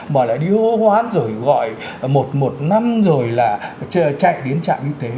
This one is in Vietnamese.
mà lại đi hô hoán rồi gọi một một năm rồi là chạy đến trạm y tế